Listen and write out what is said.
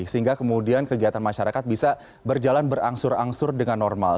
sehingga kemudian kegiatan masyarakat bisa berjalan berangsur angsur dengan normal